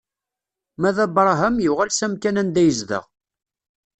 Ma d Abṛaham yuɣal s amkan anda yezdeɣ.